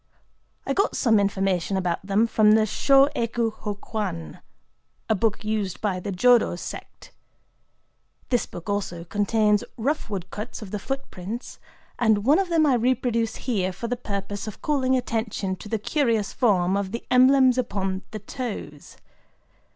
I got some information about them from the Shō Ekō Hō Kwan,—a book used by the Jodo sect. This book also contains rough woodcuts of the footprints; and one of them I reproduce here for the purpose of calling attention to the curious form of the emblems upon the toes.